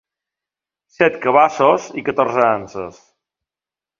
Set cabassos, catorze anses.